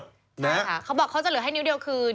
ใช่ค่ะเขาบอกเขาจะเหลือให้นิ้วเดียวคือ